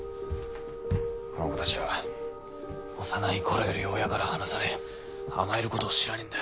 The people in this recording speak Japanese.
この子たちは幼い頃より親から離され甘えることを知らねぇんだ。